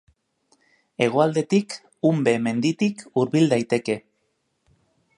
Hegoaldetik Unbe menditik hurbil daiteke.